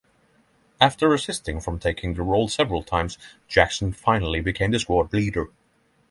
After resisting from taking the role several times, Jackson finally became the squad leader.